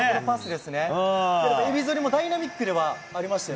エビ反りもダイナミックではありましたよね。